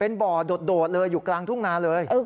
เป็นบ่อโดดเลยอยู่กลางทุ่งนาเลย